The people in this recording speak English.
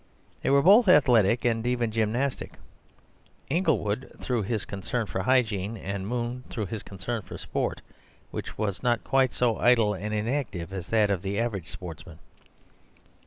They were both athletic, and even gymnastic; Inglewood through his concern for hygiene, and Moon through his concern for sport, which was not quite so idle and inactive as that of the average sportsman.